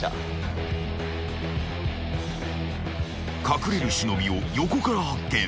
［隠れる忍を横から発見］